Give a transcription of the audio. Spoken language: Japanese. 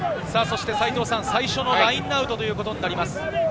最初のラインアウトということになります。